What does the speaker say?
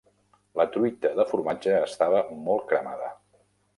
La truita de formatge estava molt cremada.